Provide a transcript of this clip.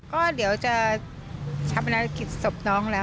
ก็เดี๋ยวจะชาปนกิจศพน้องแล้ว